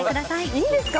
いいんですか？